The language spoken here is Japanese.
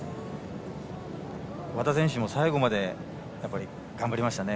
和田選手も最後まで頑張りましたね。